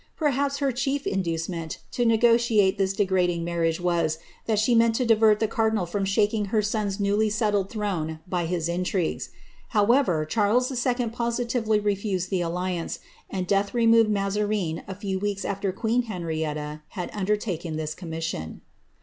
Perhaps her chief inducement to negotiate tliis degrading mar ine was, that she meant to divert the cardinal from shaking her son's ewly settled throne by his intrigues. However, Charles IJ. positively !fiised the alliance, and death removed Mazarine a few weeks after ■een Henrietta had undertaken this commission.